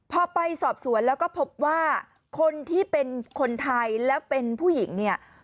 พอไปสอบสวนแล้วก็พบว่าคนที่เป็นคนไทยแล้วเป็นผู้หญิงเนี่ย